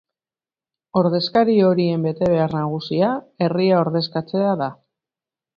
Ordezkari horien betebehar nagusia herria ordezkatzea da.